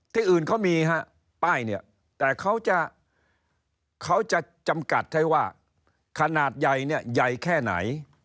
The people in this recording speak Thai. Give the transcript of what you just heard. ที่อื่นเขามีป้ายแต่เขาจะจำกัดให้ว่าขนาดใหญ่ใหญ่แค่ไหน